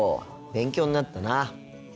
勉強になったな。